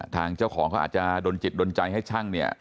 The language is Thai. ทางเจ้าของเขาอาจจะโดนจิตโดนใจให้ช่างเนี่ย